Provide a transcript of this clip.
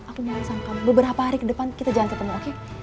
aku mau sangka beberapa hari ke depan kita jangan ketemu oke